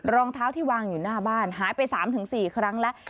รองเท้าที่วางอยู่หน้าบ้านหายไป๓๔ครั้งแล้ว